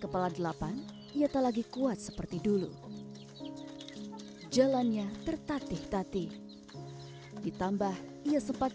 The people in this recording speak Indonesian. kepala delapan ia tak lagi kuat seperti dulu jalannya tertatih tati ditambah ia sempat